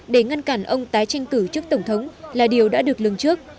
để ngăn cản ông tái tranh cử trước tổng thống là điều đã được lường trước